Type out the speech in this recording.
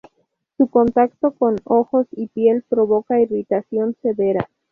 Su contacto con ojos y piel provoca irritación severa.